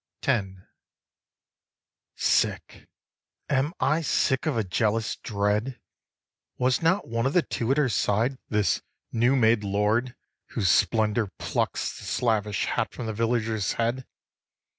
X. 1. Sick, am I sick of a jealous dread? Was not one of the two at her side This new made lord, whose splendour plucks The slavish hat from the villager's head?